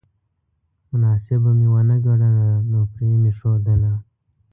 مناسبه مې ونه ګڼله نو پرې مې ښودله